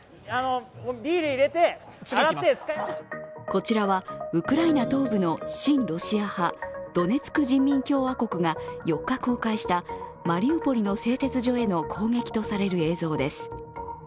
こちらはウクライナ東部の親ロシア派ドネツク人民共和国が４日公開したマリウポリの製鉄所への攻撃とされる映像です。